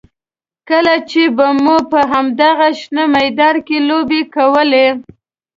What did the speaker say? کله چې به مو په همدغه شنه میدان کې لوبې کولې.